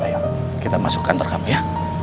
ayo kita masuk ke kantor kamu ya